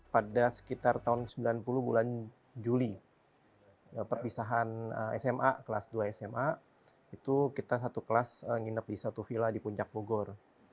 pada sekitar tahun sembilan puluh bulan juli perpisahan sma kelas dua sma itu kita satu kelas nginep di satu villa di puncak bogor